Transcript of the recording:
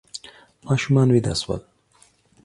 ماشومان ویده شول.